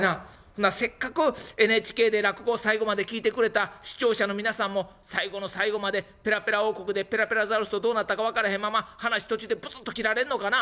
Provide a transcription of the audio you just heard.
ほなせっかくＮＨＫで落語を最後まで聴いてくれた視聴者の皆さんも最後の最後までペラペラ王国でペラペラザウルスとどうなったか分からへんまま話途中でプツッと切られんのかな」。